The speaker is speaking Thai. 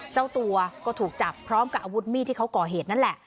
เจ้าตัวก็ถูกจับพร้อมกับอาวุธมีดที่เขาก่อเหตุนั่นแหละ